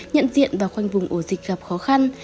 nhận diện và khoanh vùng ổ dịch gặp khó khăn